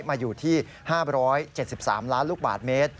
มาอยู่ที่๕๗๓ล้านลูกบาทเมตร